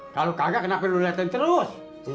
kalo kagak kenapa lu liatin terus